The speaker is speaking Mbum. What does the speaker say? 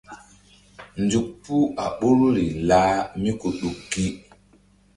Nzuk puh a ɓoruri lah míɗuk gi.